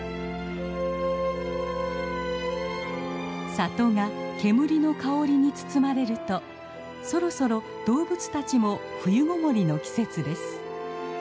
里が煙の香りに包まれるとそろそろ動物たちも冬ごもりの季節です。